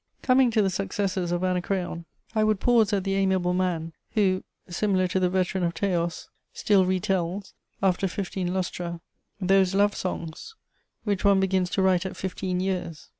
] "Coming to the successors of Anacreon, I would pause at the amiable man who, similar to the veteran of Teos, still re tells, after fifteen lustra, those love songs which one begins to write at fifteen years.